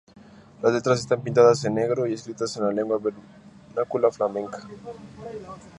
Las letras están pintadas en negro, y escritas en la lengua vernácula flamenca.